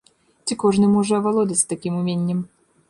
Ці кожны можа авалодаць такім уменнем?